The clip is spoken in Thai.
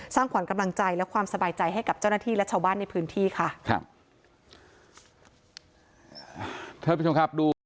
ขวัญกำลังใจและความสบายใจให้กับเจ้าหน้าที่และชาวบ้านในพื้นที่ค่ะครับ